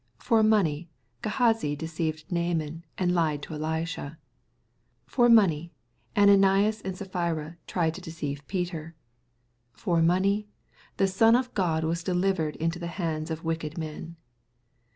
For money Gehazi deceived Naaman^ and lied to Elisha. For money Ananias and Sapphira tried to deceive Peter. For money the Son of God was delivered into the hands of wicked men.